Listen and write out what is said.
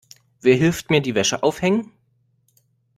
Wer hilft mir die Wäsche aufhängen?